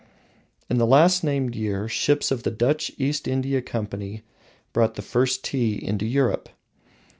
In the last named year ships of the Dutch East India Company brought the first tea into Europe.